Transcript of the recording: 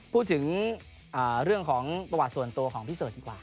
พูดถึงเรื่องของประวัติส่วนตัวของพี่เสิร์ชดีกว่า